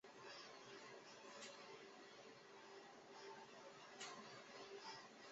还有其他大多数曲目。